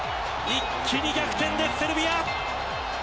一気に逆転です、セルビア。